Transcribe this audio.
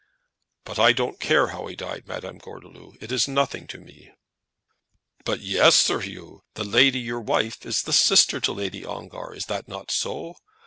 "But I don't care how he died, Madame Gordeloup. It is nothing to me." "But yes, Sir 'Oo. The lady, your wife, is the sister to Lady Ongar. Is not that so?